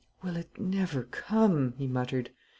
"Will it never come?" he muttered.